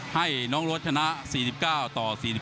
ให้น้องรถชนะ๔๙ต่อ๔๙